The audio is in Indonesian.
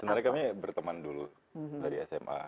sebenarnya kami berteman dulu dari sma